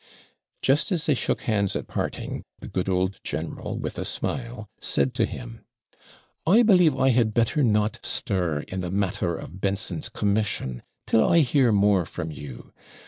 Just as they shook hands at parting, the good old general, with a smile, said to him, 'I believe I had better not stir in the matter of Benson's commission till I hear more from you.